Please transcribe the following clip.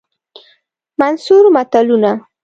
منثور متلونه